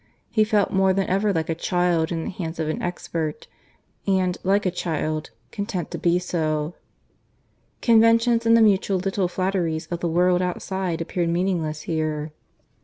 He felt more than ever like a child in the hands of an expert, and, like a child, content to be so. Conventions and the mutual little flatteries of the world outside appeared meaningless here. ...